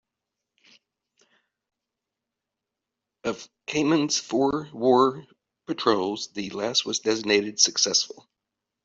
Of "Caiman"s four war patrols, the last was designated "successful".